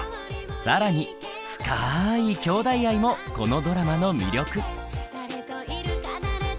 更に深いきょうだい愛もこのドラマの魅力。